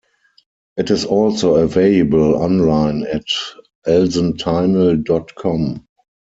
It is also available online at Elsentinel dot com.